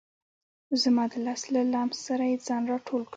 زما د لاس له لمس سره یې ځان را ټول کړ.